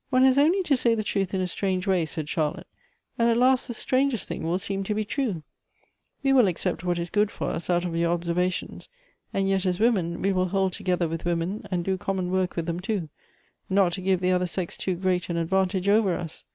" One has only to say the truth in a strange way," said Charlotte, "and at last the strangest thing will seem to be true. "We will accept what is good for us out of your observations, and yet as women we will hold together with women, and do common work with them too ; not to give the other sex too great an adv.antage over ns.